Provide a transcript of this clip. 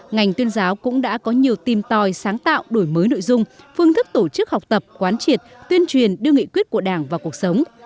ngành tuyên giáo cũng đã có nhiều tìm tòi sáng tạo đổi mới nội dung phương thức tổ chức học tập quán triệt tuyên truyền đưa nghị quyết của đảng vào cuộc sống